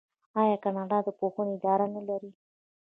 آیا کاناډا د پوهنې اداره نلري؟